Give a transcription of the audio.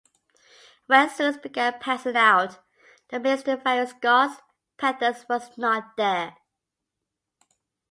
When Zeus began passing out domains to the various gods, Penthus was not there.